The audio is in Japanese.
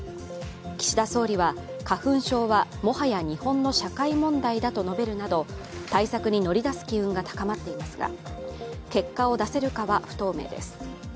岸田総理は花粉症はもはや日本の社会問題だなどと述べるなど、対策に乗り出す機運が高まっていますが結果を出せるかは不透明です。